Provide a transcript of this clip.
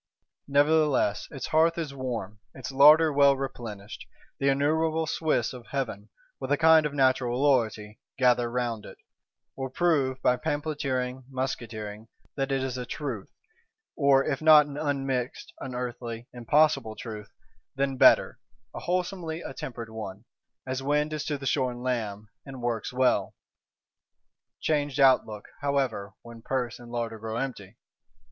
Nevertheless its hearth is warm, its larder well replenished: the innumerable Swiss of Heaven, with a kind of Natural loyalty, gather round it; will prove, by pamphleteering, musketeering, that it is a truth; or if not an unmixed (unearthly, impossible) Truth, then better, a wholesomely attempered one, (as wind is to the shorn lamb), and works well. Changed outlook, however, when purse and larder grow empty!